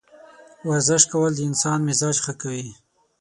ورزش کول د انسان مزاج ښه کوي.